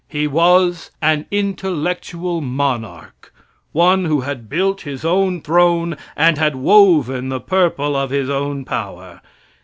He was an intellectual monarch one who had built his own throne and had woven the purple of his own power.